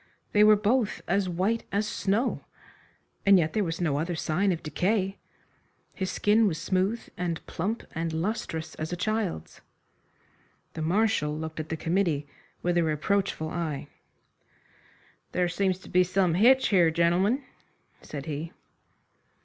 They were both as white as snow. And yet there was no other sign of decay. His skin was smooth and plump and lustrous as a child's. The Marshal looked at the committee with a reproachful eye. "There seems to be some hitch here, gentlemen," said he.